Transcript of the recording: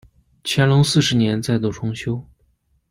乾隆四十年再度重修。